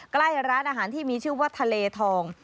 ใกล้ร้านอาหารที่มีชื่อว่าทะเลทอง